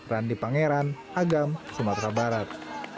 randi pangeran agam sumatera barat